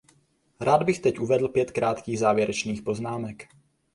Rád bych teď uvedl pět krátkých závěrečných poznámek.